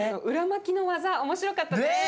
裏巻きの技面白かったね。